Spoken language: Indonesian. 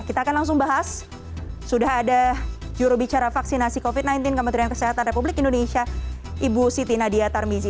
kita akan langsung bahas sudah ada jurubicara vaksinasi covid sembilan belas kementerian kesehatan republik indonesia ibu siti nadia tarmizi